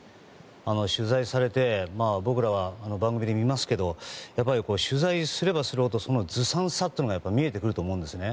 取材されて僕らは番組で見ますけど取材すればするほどそのずさんさというのが見えてくると思うんですね。